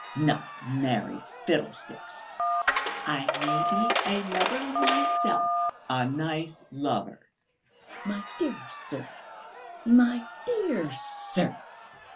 "Not married? Fiddlesticks!" "I may be a lover myself!" "A nice lover." "My dear sir, my dear sir!